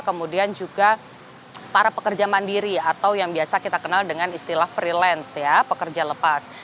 kemudian juga para pekerja mandiri atau yang biasa kita kenal dengan istilah freelance ya pekerja lepas